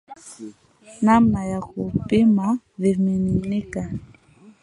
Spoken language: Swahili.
namna ya kupima vimiminika